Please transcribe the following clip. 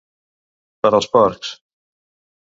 Per als porcs!